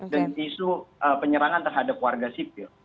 dan isu penyerangan terhadap warga sipil